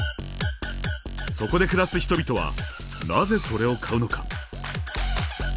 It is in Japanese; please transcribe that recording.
そこで暮らす人々はなぜそれを買うのか。